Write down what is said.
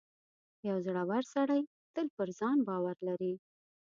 • یو زړور سړی تل پر ځان باور لري.